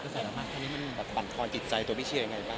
อเจมส์รู้สึกว่าคนนี้มันปั่นทอนจิตใจตัวพี่เชียร์อย่างไรคะ